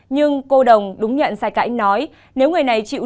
nhưng cô đồng đúng nhận sai cãi nói nếu người này chịu